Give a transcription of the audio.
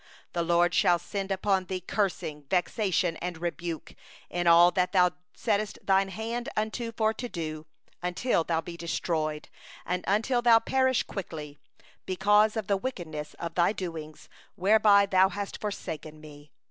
20The LORD will send upon thee cursing, discomfiture, and rebuke, in all that thou puttest thy hand unto to do, until thou be destroyed, and until thou perish quickly; because of the evil of thy doings, whereby thou hast forsaken Me.